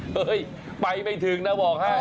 เฮ้ยไปไม่ถึงนะบอกให้